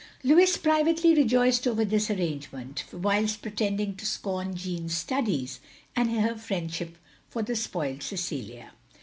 Louis privately rejoiced over this arrangement, whilst pretending to scorn Jeanne's studies, and her friendship for the spoilt Cecilia.